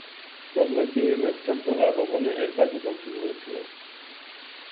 প্রথমে B M এর চারতলা ভবনে এর কার্যক্রম শুরু হয়েছিল।